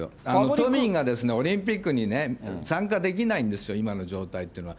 都民がオリンピックにね、参加できないんですよ、今の状態っていうのは。